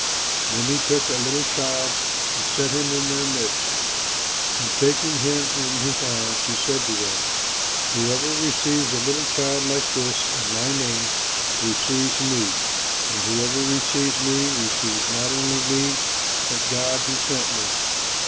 Then he took a little child and set him in their midst. And taking him in his arms, he said to them, "Whoever receives a little child like this, in my name, receives me; and whoever receives me receives not only me, but God who sent me.